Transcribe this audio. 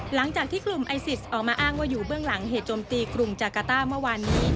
หลังจากที่กลุ่มไอซิสออกมาอ้างว่าอยู่เบื้องหลังเหตุจมตีกลุ่มจากาต้าเมื่อวานนี้